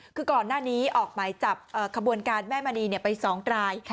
คือก่อนหน้านี้ออกหมายจับขบวนการแม่มณีไป๒ราย